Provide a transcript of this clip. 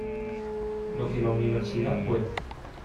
Lo que la universidad puede.